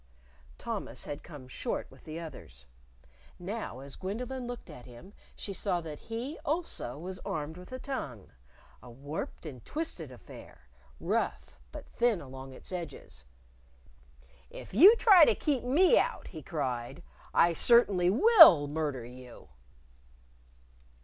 Thomas had come short with the others. Now as Gwendolyn looked at him she saw that he, also, was armed with a tongue a warped and twisted affair, rough, but thin along its edges. "If you try to keep me out," he cried, "I certainly will murder you!"